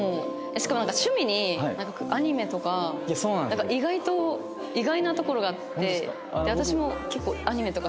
しかもなんか趣味にアニメとか意外と意外なところがあって私も結構アニメとか。